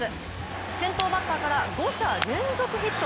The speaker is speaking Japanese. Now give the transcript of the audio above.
先頭バッターから５者連続ヒット。